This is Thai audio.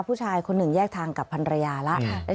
ผู้ชายคนหนึ่งแยกทางกับพันรยาแล้ว